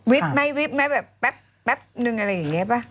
ไหมวิบไหมแบบแป๊บนึงอะไรอย่างนี้ป่ะ